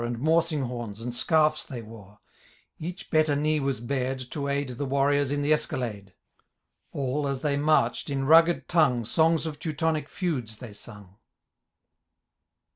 And morsing homs' and scarfs they wore ; 'EjiUih better knee was bared, to aid The warriors in the escalade ; All, as they maichM, in rugged tongue^ Songs of Teutonic feuds they sung.